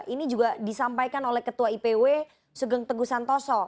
ini juga disampaikan oleh ketua ipw sugeng teguh santoso